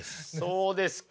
そうですか。